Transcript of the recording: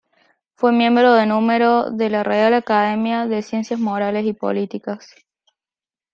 Fue miembro de número de la Real Academia de Ciencias Morales y Políticas.